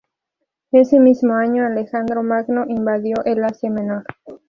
Ese mismo año Alejandro Magno invadió el Asia Menor.